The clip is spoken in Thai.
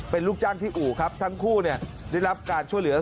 เป็นลูกจ้างที่อู่ครับทั้งคู่เนี่ยได้รับการช่วยเหลือ